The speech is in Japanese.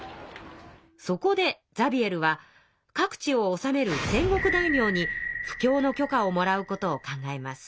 そこでザビエルは各地を治める戦国大名に布教の許可をもらうことを考えます。